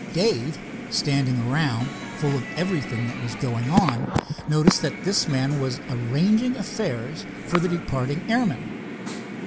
Dave, standing around full of everything that was going on, noticed that this man was arranging affairs for departing airmen.